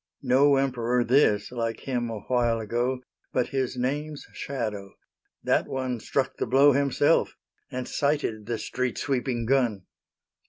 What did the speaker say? No Emperor, this, like him awhile ago, But his Name's shadow; that one struck the blow Himself, and sighted the street sweeping gun!